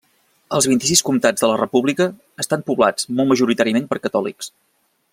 Els vint-i-sis comtats de la República estan poblats molt majoritàriament per catòlics.